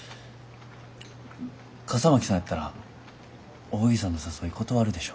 笠巻さんやったら扇さんの誘い断るでしょ。